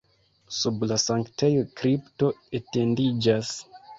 Sub la sanktejo kripto etendiĝas.